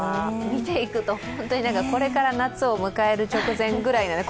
見ていくと、本当にこれから夏を迎える直前ぐらいなね。